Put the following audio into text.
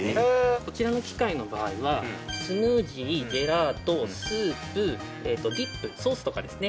こちらの機械の場合はスムージージェラートスープディップソースとかですね